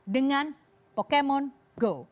dengan pokemon go